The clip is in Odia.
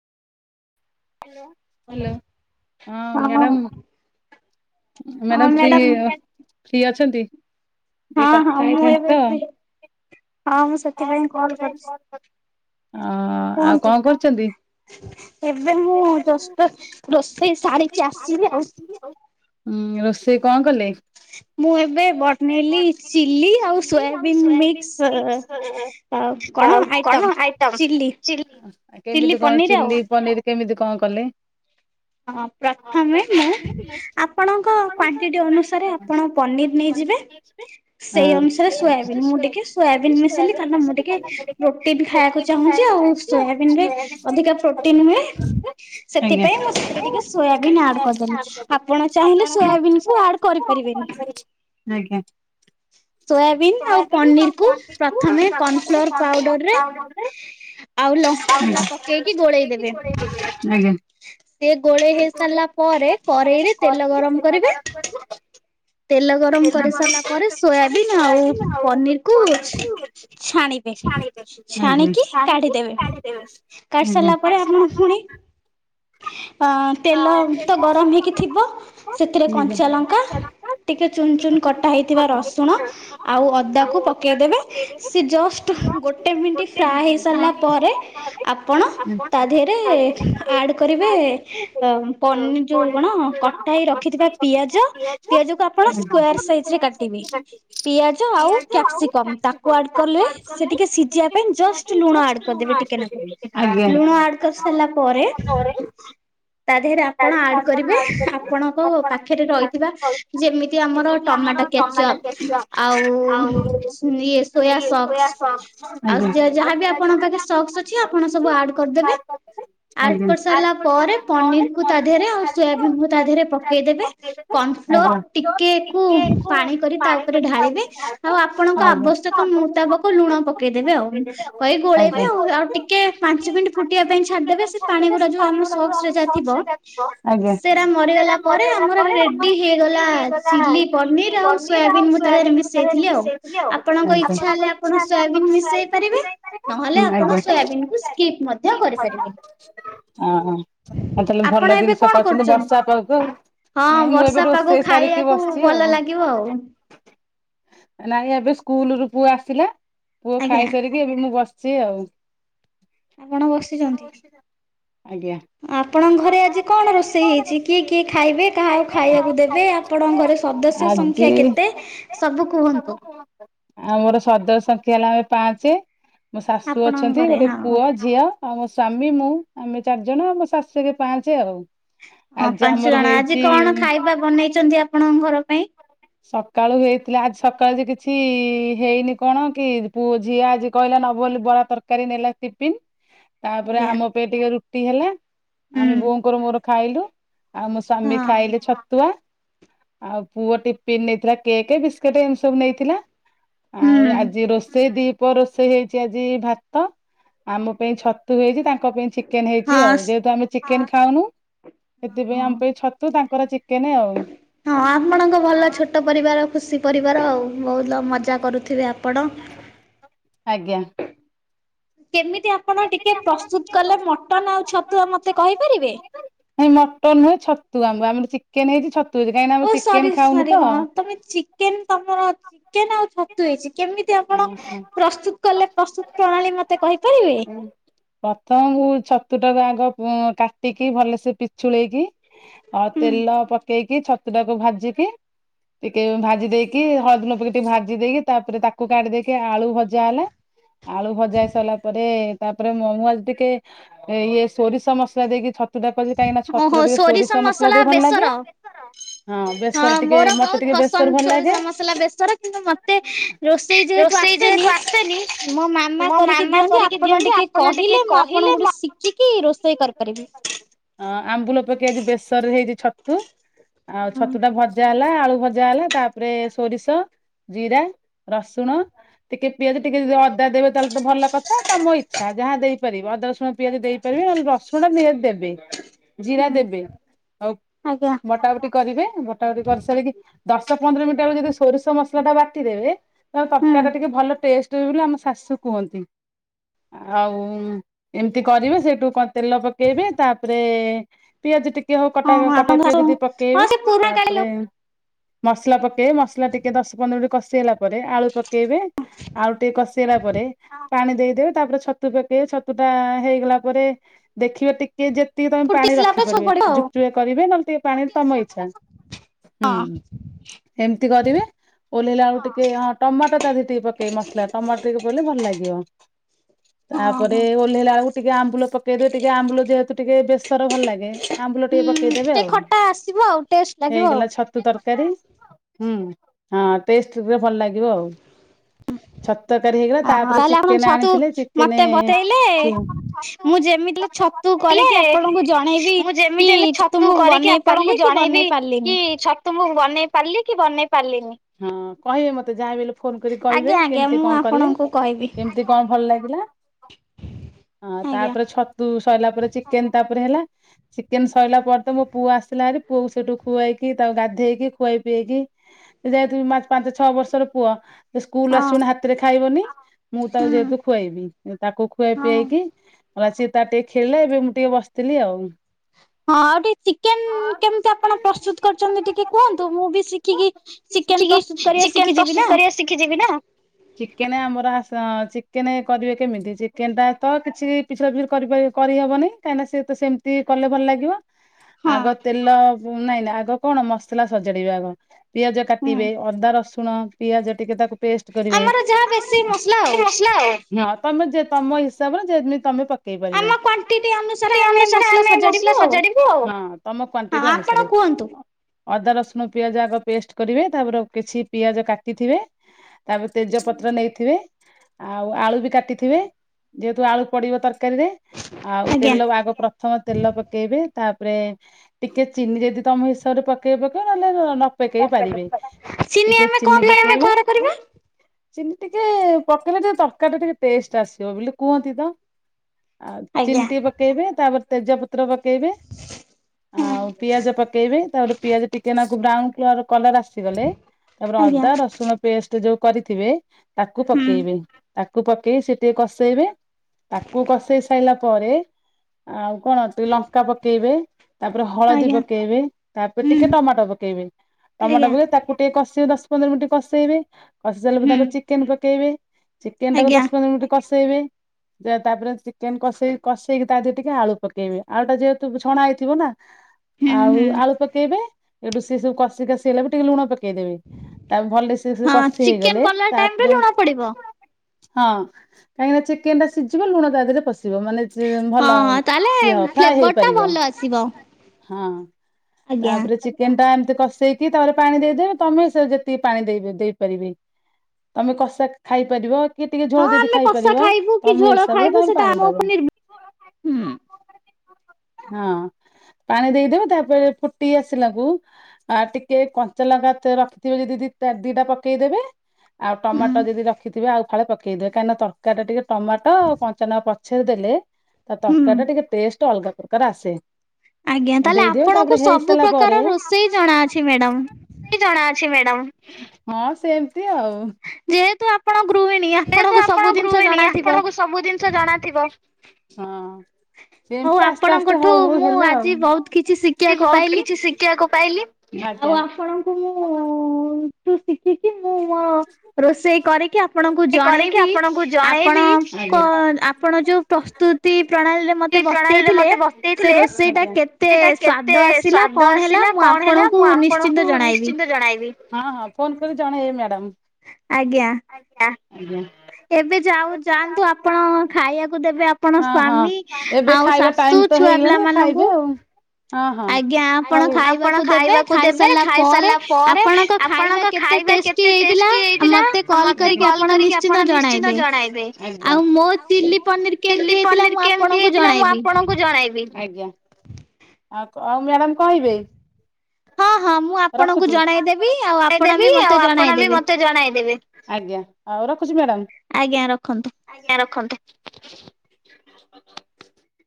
ହାଲୋ ହଁ ହଁ ମ୍ୟାଡମ୍। ହଁ ମ୍ୟାଡମ୍ ମ୍ୟାଡ଼ାମ ଫ୍ରି-ଫି ଅଛନ୍ତି? ଟିକେ ହଁ କଥା ହଁ ମୁଁ ହେଇଥାନ୍ତି ତ ଏବେ ଫ୍ରୀ। ହଁ ମୁଁ ସେଥିପାଇଁ କଲ୍ କରିଛି। ଓ ଆଉ କୁହନ୍ତୁ କଣ କରୁଛନ୍ତି? ଏବେ ମୁଁ ଜଷ୍ଟ ରୋଷେଇ ସାରିକି ଆସିଲି ଆଉ। ହୁଁ ରୋଷେଇ କଣ କଲେ? ମୁଁ ଏବେ ବନେଇଲି ଚିଲି ଆଉ ସୋୟାବିନ୍ ମିକ୍ସ ସ ଆଉ କଣ ଆଇଟମ କଣ ଆଇଟମ୍ ଚିଲି। ଆ ଚିଲି କେମିତି କଣ ପନିର ଆଉ। ଚିଲି ପାନିର୍ କେମିତି କଣ କଲେ? ହଁ ପ୍ରଥମେ ମୁଁ [unintelligible] ଆପଣଙ୍କ କ୍ଵାଣ୍ଟିଟି ଅନୁସାରେ ଆପଣ ପନିର ନେଇଯିବେ। ଶୁଏ ସେଇ ଅନୁସାରେ ସୋୟାବିନ୍। ମୁଁ ଟିକେ ସୋୟା ବି ଏ ମିଶେଇିଲି କାରଣ ମୁଁ ଟିକେ, ପ୍ରୋଟିନ୍ ଖାଇବାକୁ ଚାହୁଁଛି। ଆଉ ସୋୟା ବିନ୍ ରେ ଅଧିକା ପ୍ରୋଟିନ୍ ମିଳେ। ଆଜ୍ଞା ସେଥିପାଇଁ ମୁଁ ମତେ ଟିକେ ସୋୟାବିନ୍ ଆଡ୍ କରିଦେଲି। ଆପଣ ଚାହିଁଲେ ସୋୟାବିନ୍ କୁ ଆଡ୍ କରିପାରିବେନି। ଆଜ୍ଞା। ସୋୟାବିନ୍ ଆଉ ପନିର୍ କୁ କୁ ପ୍ରଥମେ କନ୍ ପ୍ଲାୱାର ପାଉଡରେ, ଆଉ ଲଙ୍କା ଗୁଣ୍ଡ ପ କେଇକି ଗୋଳେଇ ଦେବେ। ଆଜ୍ଞା ସେ ଗୋଳେଇ ହେଇ ସାରିଲା ପରେ, କରେଇରେ ତେଲ ଗରମ କରିବେ ତେଲ ଗରମ କରି ସାରିଲା ପରେ, ସୋୟାବିନ୍ ଆଉ ପନିର୍ ଆଜ୍ଞା। କରି ସାରିଲା ପରେ ଆପଣ ଫୁଣି ଅ ତେଲ ତ ଗରମ ହେଇକି ଥିବ, ସେଥିରେ ଆଜ୍ଞା କଞ୍ଚା ଲଙ୍କା ଟିକେ ଚୁନ୍ ଚୁନ୍, କଟା ହେଇଥିବା ରସୁଣ, ଆଉ ଅଦା କୁ ପକେଇଦେବେ ସେ ଜଷ୍ଟ ଗୋଟେ ମିଣ୍ଟି ଫ୍ରାଏ ମିନିଟ ହେଇ ସାରିଲା ପରେ ହେଇସାରିଲା ପରେ ଆପଣ ତା ଦେହେରେ ଆଡ୍ କରିବେ ଏ ଅ ପନି ଯୋଉ କଣ, କଟା ହେଇ ରଖିଥିବା ପିଆଜ ପିଆଜକୁ ଆପଣ ତେଲ ସ୍କୋୟାର ଆପଣ ସାଇଜ୍ ରେ ସୋୟା ସସ୍ କାଟିବେ, ପିଆଜ ଆଉ କ୍ୟାପ୍ସିକମ୍ ତାକୁ କୁ ଆଡ୍ କଲେ ସେ ଟିକେ ସିଝିବା ପାଇଁ ଜଷ୍ଟ ଲୁଣ ଆଜ୍ଞା। ଆଡ୍ କରିଦେବେ ଟିକେ ନାକୁ, ଆଜ୍ଞା ଲୁଣ ଆଡ୍ କରିସା ହେଲା ପରେ ତା ଦେହରେ ଆପଣ ଆଡ୍ କରିବେ, ଆପଣଙ୍କ ପାଖରେ ରହିଥିବା ଯେମିତି ଆମର ଟମାଟୋ କ୍ୟାଚପ୍, ଆଉ ଇଏ ଆଜ୍ଞା ସୋୟା ସକ୍ସ ଆଜ୍ଞା ଆଜ୍ଞା। ଆଜ୍ଞା ଆଉ ଆଜ୍ଞା ସେ ଯାହାବି ଆପଣଙ୍କ ପାଖରେ ଶକ୍ସ ଅଛି ଆପଣ ସବୁ ଆଡ୍ କରିଦେବେ ଆଜ୍ଞା। ଆଡ୍ ଆଜ୍ଞା। କରି ସାରିଲା ପରେ, ପନିର୍ କୁ ତା ଦେହରେ ଆଉ ସୋୟାବିନ୍ କୁ ତା ଦେହରେ ପକେଇଦବେ କର୍ଣ୍ଣ ଫ୍ଲୋର ଓହୋ ଟିକେ କୁ ପାଣି କରି ତା ଉପରେ ଢାଳିବେ, ଆଉ ଆପଣଙ୍କ ଆଉ ଆବସ୍ୟ କ ମୁତାବକ ଲୁଣ ପକେଇଦେବେ। ଆଉ କହି ଗୋଳେଇବେ ତାହେଲେ ଆଉ ଟିକେ ପାଞ୍ଚ ମିଣ୍ଟି ଫୁଟିବା ପାଇଁ ଛାଡିଦେବେ, ସେ ପାଣି ଗୁଡା ଯୋଉ ଆମ ସକ୍ସ ରେ ଯା ଥିବ ସେରା ମରିଗଲା ପରେ ଆମର ରେଡି ହେ ହେଲା ଚିଲି ପନିର୍ ଆଉ ସୋୟାବିନ୍, ମୁଁ ତାଦେହରେ ମିଶେଇଥିଲି ଆଉ। ଆପଣଙ୍କ ଇଛା ହେଲେ ଆପଣ ସୋୟାବିନ୍ ମିଶେଇ ପାରିବେ, ନହେଲେ ଆପଣ ସୋୟାବିନ୍ କୁ ସ୍କିପ୍ ମଧ୍ୟ କରିପାରିବେ। ଓହୋ। ଆଉ ତାହେଲେ ଆପଣ ଭଲ ଏବେ ଜିନ୍ସ କଣ କରିଛନ୍ତି କରୁଚନ୍ତି? ବର୍ଷା ପାଗକୁ। ହଁ ନାଇଁ ମୁଁ ଏବେ ବର୍ଷା ପାଗ ରୋଷେଇ ସାରିକି ଖାଇବାକୁ ବସିଛି ଭଲ ଆଉ। ଲାଗିବ ଆଉ। ନାଇଁ ଏବେ ସ୍କୁଲ୍ ରୁ ପୁଅ ଆସିଲା, ପୁଅ ଆଜ୍ଞା ଖାଇସାରି ଏବେ ମୁଁ ବସିଛି ଆଉ। ଆପଣ ବସିଛନ୍ତି? ଆଜ୍ଞା। ଆପଣଙ୍କ ଘରେ ଆଜି କଣ ରୋଷେଇ ହେଇଛି? କିଏ କିଏ ଖାଇବେ? କାହା କୁ ଖାଇବାକୁ ଦେବେ? ଆପଣଙ୍କ ଘରେ ସଦସ୍ୟ ସଂଖ୍ୟା ଆଜି କେତେ? ସବୁ କୁହନ୍ତୁ। ଆଉ ମୋର ସଦ ସଂଖ୍ୟା ହେଲା ଆମେ ପାଞ୍ଚେ, ମୋ ଶାଶୁ ଆପଣଙ୍କ ଅଛନ୍ତି, ଘରେ ଗୋଟେ ହଁ। ପୁଅ ଝି ଝିଅ, ଆଉ ମୋ ସ୍ୱାମୀ ମୁଁ ଆମେ ଚାରିଜଣ ମୋ ଶାଶୁ ଏକ୍ ପାଞ୍ଚେ ଆଉ। ହଁ ଆଜି ପାଞ୍ଚ ଆମର ଜଣ, ଆଜି ହେଇଛି କଣ ଖାଇବା ବନେଇଛନ୍ତି ଆପଣଙ୍କ ଘର ପାଇଁ? ସକାଳୁ ହେଇଥିଲା ଆଜି ସକାଳୁ ଯେ କିଛି ହେଇନି କଣ କି ପୁଅ ଝିଅ ଆଜି କହିଲା ନବ ବୋଲି ବରା ତରକାରୀ ନେଲା ଟିପନ୍। ତାପରେ ଆଜ୍ଞା ଆମ ପାଇଁ ଟିକେ ରୁଟି ହେଲା ହୁଁ ଆମେ ବୋଉଙ୍କର ମୋର ଖାଇଲୁ। ଆଉ ମୋ ସ୍ୱାମୀ ହଁ ଖାଇଲେ ଛତୁଆ, ଆଉ ପୁଅଟି ପିନ୍ ନେଇଥିଲା କେକ୍, ବିସ୍କେଟ ଏମିତି ସବୁ ନେଇଥିଲା, ହୁଁ ଆଉ ଆଜି ରୋଷେଇ ଦି ପର ରୋଷେଇ ହେଇଛି ଆଜି ଭାତ, ଆମ ପାଇଁ ଛତ ତୁ ହେଇଛି, ତାଙ୍କ ପାଇଁ ଚିକେନ ହେଇଛି ଆଉ ଯେହେତୁ ହଁ। ଆମେ ଚିକେନ ଖାଉନୁ। ସେଥିପାଇଁ ଆମ ପାଇଁ ଛତୁ, ତାଙ୍କର ଚିକେନ ଆଉ। ହଁ ଆପଣଙ୍କ ଭଲ ଛୋଟ ପରିବାର ଖୁସି ପରିବାର ଆଉ ବହୁତ ମଜା କରୁଥିବେ ଆପଣ। ଆଜ୍ଞା। କେମିତି ଆ ଆପଣ ଟିକେ ପ୍ରସ୍ତୁତ କଲେ ମଟନ୍ ଆଉ ଛତୁ ଆ ମତେ କହିପାରିବେ? ନାଇଁ ମଟନ ନୁହେଁ ଛତୁ ଆମ ଆମର ଚିକେନ ହେଇଛି ଛତୁ ହେଇଛି କାହିଁକି ନା, ଓ ଆମ ସରି ଚିକେନ ଖାଉନୁ ସରି ତ? ହଁ ତମେ ଚିକ କେନ ତମର ଚିକେନ ଆଉ ଛତୁ ହେଇଛି କେମିତି? ତି ଆପଣ ଓହୋ ପ୍ରସ୍ତୁତ କଲେ ପ୍ରସ୍ତୁତ ପ୍ରଣାଳୀ ମତେ କହିପାରିବେ? ପ୍ରଥମ ମୁଁ ଛତୁ ଟାକୁ ଆଗ କାଟିକି ଭଲସେ ପିଛୁଳେଇକି ଅ ହୁଁ ତେଲ ପକେଇକି ଛ ତୁଟାକୁ ଭାଜିକି ଟିକେ ଭାଜି ଦେଇକି ହଳଦୀ ଲୁପ କେଇକି ଟିକେ ଭାଜି ଦେଇକି ତାପରେ ତାକୁ କୁ କାଢି ଦେଇକି ଆଳୁ ଭଜା ହେଲା, ଆଳୁ ଭଜା ହେଇ ସରିଲା ପରେ ତାପରେ ମୁଁ ମୋଜ ଟିକେ ଇଏ ସୋରିଷ ମସଲା ଦେଇକି ଛ ଛତୁଟା କ କାହିଁନା ଛତୁର ଟିକେ ସୋରିଷ ମସଲା ଦେଇ ଭଲ ଲାଗେ। ହଁ ବେସର ଟିକେ ମୋର ମତେ ବହୁତ ଟିକେ ପସନ୍ଦ ବେସର ଭଲ ଲାଗେ। ସୋରିଷ ମସଲା ବେସର କିନ୍ତୁ ମତେ ରୋଷ ରୋଷେଇ ଯେହେତୁ ଆସେନି ମୋ କରିକି ମାମା ଦିଅନ୍ତି କରିକି ଦିଅନ୍ତି ଟିକେ ଆପଣ ଟିକେ କହିଲେ ମୁଁ କହିଲେ [inaudible] ଆପଣଙ୍କଠୁ ଶିଖିକି କରିପାରିବି। ରୋଷେଇ କରିଦେବେ। ଅଁ ଆମ୍ବୁଲ ପକେଇ ଆଜି ବେସର ହେଇଛି ଛ ଛତୁ ଆଉ ଛତୁ ଟା ହୁଁ ଭଜା ହେଲା, ଆଳୁ ଭଜା ହେଲା ତାପରେ ସୋରିଷ, ଜିରା। ରସୁଣ। ଟିକେ ପିଆଜ ଟିକେ ଯଦି ଅଦା ଦେବେ ତାହେଲେ ତ ଭଲ କଥା ତମ ଇଚ୍ଛା ଯାହା ଦେଇପାରିବି ଅଦା ରସୁଣ ପିଆଜ ଦେଇ କରିବେ ନହେଲେ ରସୁଣ ନିହାତି ଦେବେ ଜିରା ଦେବେ ଆଉ ଆଜ୍ଞା ବଟାବଟି କରିବେ ଗୋଟା ଗୋଟି କରିସାରିକି ଦଶ ପନ୍ଦର ମିନିଟ ଆକୁ ଯଦି ସୋରିଷ ମସଲା ଟା ବାଟିଦେବେ ତ ହୁଁ ତରକାରୀ ଟା ଟିକେ ଭଲ ଟେଷ୍ଟ ହଏ ବୋଲି ଆମ ଶାଶୁ କୁହନ୍ତି। ଆଉ ଏମିତି କରିବେ ସେଇଠୁ ତେଲ ପକେଇବେ ତାପରେ ପିଆଜି ଟିକେ ହଉ କଟା ହଁ ହଁ କଟା ଆପଣଙ୍କ ପିଆଜି ଶାଶୁ ଦେଇ ହଁ ପକେଇବି ସେ ପୁରୁଣା କାଳି ତାପରେ ଲୋକ ମସଲା ପକେଇବେ, ମସଲା ଟିକେ ଦଶ ପନ୍ଦର ମିନିଟ କଷି ହେଲା ପରେ ଆଳୁ ପକେଇବେ ଆଳୁ ଟିକେ କଷେଇଲା ପରେ ପାଣି ଦେଇଦେବେ ତାପରେ ଛତୁ ପକେଇବେ, ଛତୁ ଟା ହେଇଗଲା ପରେ ଦେଖିବେ ଟିକେ ପା କିଏ ଯେତିକି ତମେ ଫୁଟି ପାଣି ଆସିଲା ପରେ ସବୁ ରଖିପାରିବେ ପଡିବ ଯୁକ ଆଉ ଯୁକି କରିବେ ନହେଲେ ଟିକେ ପାଣିରେ ତମ ଇଚ୍ଛା। ହୁଁ ଏମତି କରିବେ ଓହ୍ଲେଇଲା ବେଳୁ ଟି କେ ହଁ ଟମାଟର ତା ଦିହରେ ଟିକେ ପକେଇ ମସଲା ଟମାଟର ଟିକେ ପକେଇଲେ ଭଲ ଲାଗିବ। ହଁ ତାପରେ ହଁ। ଓହ୍ଲେଇଲା ବେଳକୁ ଟିକେ ଆମ୍ବୁଲ ପକେଇଦିବେ ଟିକେ ଆମ୍ବୁଲ ଯେହେତୁ ଟିକେ ବେସର ଭଲ ଲାଗେ। ଆମ୍ବୁଲ ଟିକେ ହୁଁ ପକେଇଦେବେ ଟିକେ ଆଉ ଖଟା ଆସିବ ଆଉ ଟେଷ୍ଟ ଲାଗିବ ହେଇଗଲା ଆଉ ଛ ତୁ ତରକାରୀ ହୁଁ ଟେଷ୍ଟ ଭଲ ଲାଗିବ ଆଉ। ଛତୁ ତରକାରୀ ହେଇଗଲା ଓହୋ ତାପରେ ତାହେଲେ ଆପଣ ଚିକେନ ଛତୁ ଆଣିଥିଲେ ଚିକେନ ମତେ ବତେଇଲେ ଚୁ ମୁଁ ଯେମିତି ହେଲେ ଛତୁ କରିକି ଆପଣଙ୍କୁ ଜଣେଇବି କି ଛତୁ ମୁଁ ବନେଇ ଆପଣଙ୍କୁ ପାରିଲି କି ଜଣେଇବି ବନେଇ ପାରିଲିନି। କି ଛ ତୁ ମୁଁ ବନେଇ ପାରିଲି କି ବନେଇ ପାରିଲିନି। ହଁ କହିବେ ମତେ ଯାହାଵି ହେଲେ ଫୋନ କରି କହିବେ ଆଜ୍ଞା ଆଜ୍ଞା କେମିତି ମୁଁ କଣ କଲେ ଆପଣଙ୍କୁ କହିବି କେମିତି କଣ ଭଲ ଲାଗିଲା। ହଁ ଆଜ୍ଞା ତାପରେ ଛତୁ ସରିଲା ପରେ ଚିକେନ ତାପରେ ହେଲା। ଚିକେନ ସଇଲା ପରେ ତ ମୋ ପୁଅ ଆସିଲାରି ପୁଅକୁ ସେଇଠୁ ଖୁଆଇକି ତାକୁ ଗାଧେଇକି ଖୁଆଇ ପିଆଇକି ସେ ଯାଇଥିବି ମାର୍ଚ୍ଚ ପାଞ୍ଚ ଛଅ ବର୍ଷର ପୁଅ ସେ ସ୍କୁଲ ହଁ ଆସିବନି ହାତରେ ଖାଇବନି। ମୁଁ ତାକୁ ହୁଁ ଯେହେତୁ ଖୁଆଇବି ତାକୁ ଖୁଆଇ ହଁ। ହଁ ପିଆଇକି ଆସିକି ତା ଟିକେ ଖେଳିଲା ଏବେ ମୁଁ ଟିକେ ବସିଥିଲି ଆଉ। ହଁ ଆଉ ଟିକେ ଚିକେନ କେମତି ଆପଣ ପ୍ରସ୍ତୁତ କରିଛନ୍ତି ଟିକେ କୁହନ୍ତୁ ମୁଁ ବି ଶିଖିକି ଚିକେନ ପ୍ରସ୍ତୁ ଚିକେନ ପ୍ରସ୍ତୁତ କରିବା ଶିଖିଯିବି ନା। ଚିକେନ ଆମର ଆସ ଚିକେନ କରିବେ କେମିତି ଚିକେନ ଟା ତ କିଛି ପିଛଡ଼ା ଫୀର କରିପା କରିହେବନି କାହିଁକିନା ସେ ତ ସେମିତି କଲେ ଭଲ ଲାଗିବ। ହଁ ଆଗ ତେଲ ନାଇଁ ନା ଆଗ କଣ ମସଲା ସଜାଡିବେ ଆଗ। ପିଆଜ ହୁଁ କାଟିବେ ଅଦା ରସୁଣ, ପିଆଜ ଟିକେ ତାକୁ ପେଷ୍ଟ କରିବେ। ଆମର ଯାହା ବେଶୀ ମସଲା ଆଉ। ହଁ ତମେ ଯେ ତମ ହିସାବରେ ଯେମିତି ତମେ ପକେଇ ପାରିବ। ଆମ କ୍ଵାଣ୍ଟିଟି ଅନୁସାରେ ଆମେ ମସଲା ସଜାଡିବୁ ଆଉ ତମ ହଁ କ୍ୱାଣ୍ଟିଟି ଆପଣ ଅନୁସାରେ। କୁହନ୍ତୁ। ଅଦା ରସୁଣ ପିଆଜ ଆଗ ପେଷ୍ଟ କରିବେ ତାପର କିଛି ପିଆଜ କାଟିଥିବେ ତାପରେ ତେଜ ପତ୍ର ନେଇଥିବେ ଆଉ ଆଳୁ ବି କାଟିଥିବେ ଯେହେତୁ ଆଳୁ ପଡିବ ତରକାରୀରେ ଆଉ ଆଜ୍ଞା ତେଲ ଆଗ ପ୍ରଥମ ତେଲ ପକେଇବେ ତାପରେ ଟିକେ ଚିନି ଯଦି ତମ ହିସାବରେ ପକେଇ ପକେଇ ନହେଲେ ନ ପକେଇ ପାରିବେ ଟିକେ ଆମେ କଣ ଚିନି ପାଇଁ ବ୍ୟବହାର କରିବା ଚିନି ଟିକେ ପକେଇଲେ ଟିକେ ତରକାରୀରେ ଟିକେ ଟେଷ୍ଟ ଆସିବ ବୋଲି କୁହନ୍ତି ତ। ଆଉ ଚିନି ଆଜ୍ଞା ଟିକେ ପକେଇବେ ତାପରେ ତେଜପ ତ୍ର ପକେଇବେ ଆଉ ହଁ। ପିଆଜ ପକେଇବେ ତାପରେ ପିଆଜ ଟିକେ ନ କୁ ବ୍ରାଉନ କ୍ଲର୍ କଲର ଆସିଗଲେ ତାପରେ ଆଜ୍ଞା ଅଦା ରସୁଣ ପେଷ୍ଟ ଯୋଉ କରିଥିବେ ତାକୁ ହୁଁ ପକେଇବେ ତାକୁ ପକେଇ ସେ ଟିକେ କଷେଇବେ ତାକୁ କଷେଇ ସାଇଲା ପରେ ଆଉ କଣ ଅଛି? ଟିକେ ଲଙ୍କା ପକେଇବେ ତାପରେ ହଳଦୀ ଆଜ୍ଞା ପକେଇବେ ତାପରେ ହୁଁ ଟିକେ ଟମାଟୋ ପକେଇବେ। ଟମାଟୋ ଆଜ୍ଞା କୁ ତା ଟିକେ କଷେଇ ଦଶ ପନ୍ଦର ମିନିଟ୍ କଷେଇବେ କଷି ସାରିଲା ପରେ ହୁଁ ତାପରେ ଚିକେନ ପକେଇବେ। ଚିକେନ ଟାକୁ ଆଜ୍ଞା ଦଶ ପନ୍ଦର ମିନିଟ୍ କସେଇବେ। ତାପରେ ଚିକେନ କସେଇ କସେଇକି ତାଦ ଟିକେ ଆଳୁ ପକେଇବେ ଆଳୁ ଟା ଯେହେତୁ ଛଣା ହେଇଥିବ ନା ହୁଁ ଆଉ ହୁଁ। ଆଳୁ ପକେଇବେ ଏଇଠୁ ସିଏ ସବୁ କଷି କଷି ହେଲା ବି ଟିକେ ଲୁଣ ପ କେଇଦେବେ ତାପ ଭଲସେ ସେ ହଁ କଷି ଚିକେନ ହେଇଗଲେ ପଲା ଟାଇମରେ ତାପରେ ଲୁଣ ପଡିବ। ହଁ ହଁ କାହିଁକିନା ଚିକେନ ଟା ସିଝିବ ଲୁଣ ତା ଦେହରେ ପଶିବ ମାନେ ସେ ଭଲ ହଁ ତାହେଲେ ଇଏ ଥାଏ ଫ୍ଲେଭର ଟା ହେଇପାରିବ ଭଲ ଆସିବ। ହଁ। ଆଜ୍ଞା ତାପରେ ଚିକେନ ଟା ଏମିତି କଷେଇକି ତାପରେ ପାଣି ଦେଇଦେବେ। ତମେ ସେ ଯେତିକି ପାଣି ଦେଇ ଦେଇପାରିବି ତମେ କଷା ଖାଇପାରିବ। କିଏ ଟିକେ ହଁ ଝୋଳ ଯଦି ଆମେ ଖାଇ କଷା ପାରିବ ଖାଇବୁ କି ତମ ଝୋଳ ହିସାବରେ ଖାଇବୁ ତମେ ସେଟା ପାଣି ଆମ ଦବ। ଉପରେ ନିର୍ଭ ହୁଁ ହଁ ପାଣି ଦେଇଦବେ ତାପରେ ଫୁଟି ଆସିଲାକୁ ଆଉ ଟିକେ କଞ୍ଚା ଲଙ୍କା ତ ରଖିଥିବେ ଯଦିି ଦିତା ଦି ଦିଟା ପକେଇଦେବେ ଆଉ ହୁଁ ଟମାଟୋ ଯଦି ରଖିଥିବେ ଆଉ ଫାଳେ ପକେଇଦେ କାହିଁକି ତରକାରି ଟିକେ ଟମାଟ କଞ୍ଚା ଲଙ୍କା ପ ଛରେ ଦେଲେ ତା ହୁଁ। ତରକାରୀ ଟା ଟିକେ ଟେଷ୍ଟ ଅଲଗା ପ୍ରକାର ଆସେ। ଆଜ୍ଞା ତାହଲେ ଦେଇଦିଅ ଆପଣଙ୍କୁ ତାପରେ ସବୁ ହେଇସାରିଲା ପରେ ପ୍ରକାର ରୋଷେଇ ଜଣାଅଛି ମ୍ୟାଡାମ। ହଁ ସେମିତି ଆଉ। ଯେହେତୁ ଆପଣ ଗୃହିଣୀ ଆପଣଙ୍କୁ ସବୁ ଜିନିଷ ଜଣାଥିବ। ସବୁ ଜିନିଷ ଜଣାଥିବ। ହଉ ସେମତି ଆସ୍ତେ ଆସ୍ତେ ଆପଣଙ୍କଠୁ ହଉ ମୁଁ ହେଲା ଆଉ। ଆଜି ବହୁତ କିଛି ଶିଖିବାକୁ ପାଇଲି। ଆଉ ଆଜ୍ଞା। ଆପଣଙ୍କୁ ମୁଁ ହଁ ସିଖିକି ମୁଁ ମୋ ରୋଷେଇ କରିକି ଆପଣଙ୍କୁ ରୋଷେଇ ଜଣେଇବି ଆପଣଙ୍କ ଆଜ୍ଞା ଆପଣ ଯୋଉ ପ୍ରସ୍ତୁତି ପ୍ରଣାଳୀରେ ମତେ ବତେଇଥିଲେ ସେ ରୋଷେଇ ଟା କେତେ କେତେ ସ୍ଵାଦ ଆସିଲା ସ୍ଵାଦ କଣ ହେଲା ଆସିଲା ମୁଁ କଣ ହେଲା ଆପଣଙ୍କୁ ମୁଁ ନିଶ୍ଚିନ୍ତ ଆପଣଙ୍କୁ ଜଣାଇବି। ନିଶ୍ଚିନ୍ତ ଜଣାଇବି। ହଁ ହଁ ଫୋନ କରି ଜଣେଇବେ ମ୍ୟାଡ଼ାମ। ଆଜ୍ଞା। ଆଜ୍ଞା। ଏବେ ଯାଉ ଯାଆନ୍ତୁ ଆପଣ ଖାଇବାକୁ ଦେବେ ଆପଣ ହଁ ହଁ ସ୍ଵାମୀ ଏବେ ଆଉ ଖାଇବା ଟାଇମ୍ ଶାଶୁ ତ ଛୁଆ ପିଲା ହେଇଗଲାଣି ଖାଇବେ ମାନଙ୍କୁ। ଆଉ। ଓହୋ ଆଜ୍ଞା ଆପଣ ଆଜ୍ଞା ଆପଣ ଖାଇବାକୁ ଦେବେ ଖାଇବାକୁ ଦେବେ ଖାଇସାରିଲା ପରେ ଖାଇସାରିଲା ପରେ ଆପଣଙ୍କ ଖାଇବା ଆପଣଙ୍କ କେତେ ଖାଇବା କେତ୍ ଟେଷ୍ଟି ହେଇଥିଲା ମତେ ଆଉ ମତେ କଲ୍ ଆପଣ କରିକି ଆପ୍ ନିଶ୍ଚିନ୍ତ ଆପଣ ନିଶ୍ଚିତ ଜଣାଇବେ। ଆଜ୍ଞା। ମୋ ଆଉ ଚିଲି ପନିର [inaudible] କେମିତି ଚିଲି ହେଇଥିଲା ପନିର ମୁଁ କେମତି ଆପଣଙ୍କୁ ହେଇଥିଲା ମୁ ଜଣାଇବି। ଆପଣ ଙ୍କୁ ଜଣାଇବି। ଆଜ୍ଞା। ଆଉ ଆଉ ମ୍ୟାଡାମ୍ କହିବେ। ହଁ ହଁ ମୁଁ ଆପଣଙ୍କୁ ରଖୁଛି ମୁଁ ଜଣାଇଦେବି ଆପଣଙ୍କୁ ଆଉ ଆପଣ ଜଣେଇଦେବି ବି ମତେ ଆପଣ ବି ଜଣାଇଦେବେ ମତେ ଜଣାଇଦେବେ। ଆଜ୍ଞା ଆଉ ରଖୁଛି ମ୍ୟାଡ଼ାମ୍। ଆଜ୍ଞା ରଖନ୍ତୁ। ଆଜ୍ଞା ରଖନ୍ତୁ।